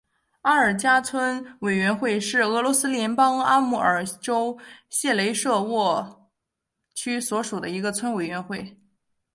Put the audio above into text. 阿尔加村委员会是俄罗斯联邦阿穆尔州谢雷舍沃区所属的一个村委员会。